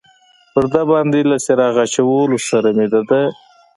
پر ده باندې له څراغ اچولو سره مې د ده.